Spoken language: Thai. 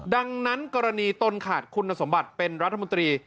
ดังนั้นกรณีตนขาดคุณสมบัติเป็นรัฐมนตรี